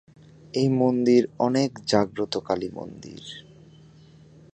এই মন্দির অনেক জাগ্রত কালী মন্দির।